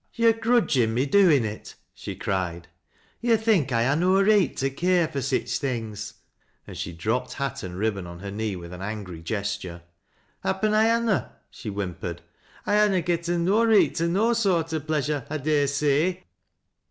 " To're grudgin' me doin' it," she cried. " To' think 1 ha' no reet to care for sich things," and she dropped hat and ribbon on her knee with an angry gesture. " Happen I ha' na," she whimpered. " I ha' na getten no reet to no foart o' pleasure, I dare say."